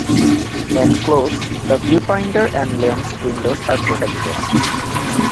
When closed, the viewfinder and lens windows are protected.